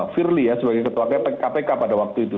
firly ya sebagai ketua kpk pada waktu itu